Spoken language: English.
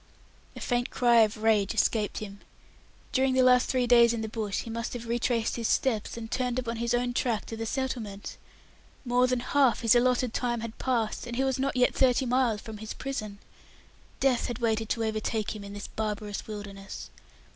A faint cry of rage escaped him. During the last three days in the bush he must have retraced his steps, and returned upon his own track to the settlement! More than half his allotted time had passed, and he was not yet thirty miles from his prison. Death had waited to overtake him in this barbarous wilderness.